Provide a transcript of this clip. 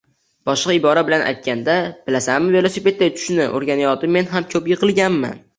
Boshqa ibora bilan aytganda: “Bilasanmi, velosipedda uchishni o‘rganayotib men ham ko‘p yiqilganman.